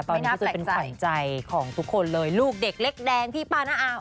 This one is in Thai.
ตอนนี้คือเป็นขวัญใจของทุกคนเลยลูกเด็กเล็กแดงพี่ป้าน้าอา